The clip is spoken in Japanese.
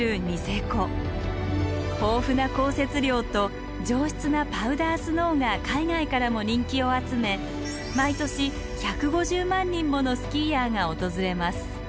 豊富な降雪量と上質なパウダースノーが海外からも人気を集め毎年１５０万人ものスキーヤーが訪れます。